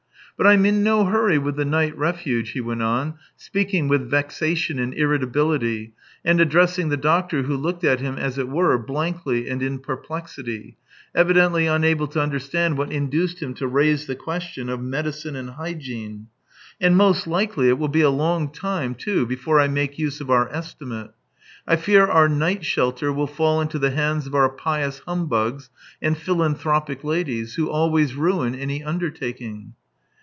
" But I'm in no hurry with the night refuge," he went on, speaking with vexation and irritability, and addressing the doctor, who looked at him, as it were, blankly and in perplexity, evidently unable to understand what induced him to raise the question of medicine and hygiene. " And most likely it will be a long time too, before I make use of our estimate. I fear our night shelter will fall into the hands of our pious humbugs and philanthropic ladies, who always ruin any undertaking."